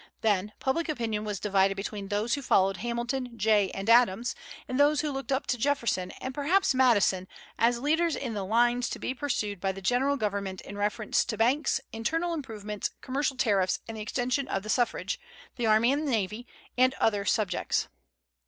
Then public opinion was divided between those who followed Hamilton, Jay, and Adams, and those who looked up to Jefferson, and perhaps Madison, as leaders in the lines to be pursued by the general government in reference to banks, internal improvements, commercial tariffs, the extension of the suffrage, the army and navy, and other subjects.